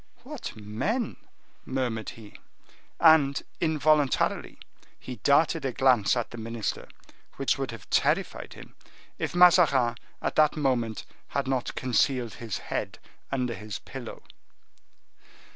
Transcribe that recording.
"What men!" murmured he. And, involuntarily, he darted a glance at the minister which would have terrified him, if Mazarin, at the moment, had not concealed his head under his pillow.